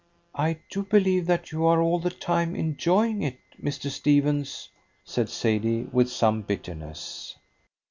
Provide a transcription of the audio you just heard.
"I do believe that you are all the time enjoying it, Mr. Stephens," said Sadie with some bitterness.